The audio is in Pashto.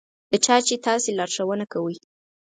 د چا چې تاسې لارښوونه کوئ.